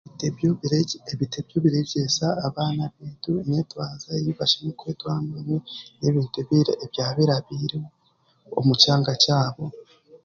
Ebitebyo ebitebyo bireegyesa abaana n'abantu emitwarize ei bashemereire kwetwazamu n'ebintu ebirabaireho omu kyanga kyabo.